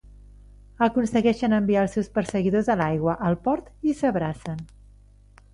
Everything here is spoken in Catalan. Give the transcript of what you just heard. Aconsegueixen enviar els seus perseguidors a l'aigua, al port i s'abracen.